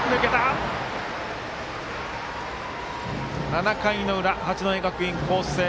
７回の裏、八戸学院光星。